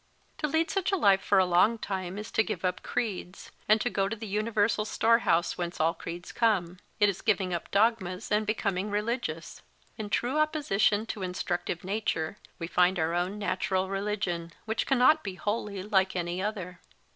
To lead such a life for a long time is to give up creeds, and to go to the universal storehouse whence all creeds come. It is giving up dogmas and becoming religious. In true opposi tion to instructive nature, we find our own natural religion, which cannot be wholly like any other.